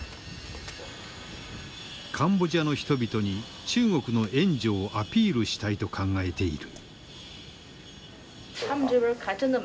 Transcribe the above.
カンボジアの人々に中国の援助をアピールしたいと考えている。